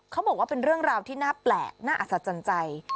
เขาบอกว่าเป็นเรื่องราวที่น่าแปลกน่าอัศจรรย์ใจ